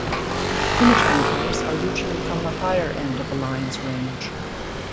Image anchors are usually from the higher end of the line's range.